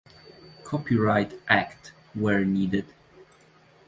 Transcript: Copyright Act, were needed.